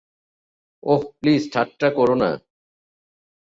ওহ, please ঠাট্টা করো না।